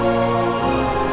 jangan kaget pak dennis